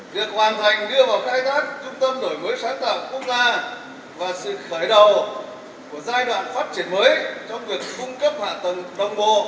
việc hoàn thành đưa vào khai thác trung tâm đổi mới sáng tạo quốc gia và sự khởi đầu của giai đoạn phát triển mới trong việc cung cấp hạ tầng đồng bộ